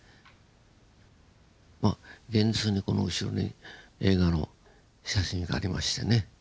まあ現実にこの後ろに映画の写真がありましてね。